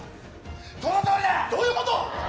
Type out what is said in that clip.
このとおりだどういうこと？